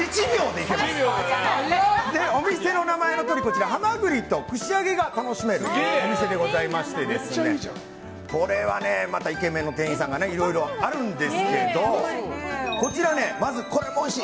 お店の名前のとおりハマグリと串揚げが楽しめるお店でございましてこれはイケメンの店員さんだとかいろいろあるんですけどこちら、まずこれもおいしい。